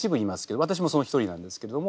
私もその一人なんですけれども。